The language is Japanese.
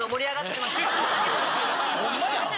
ホンマや！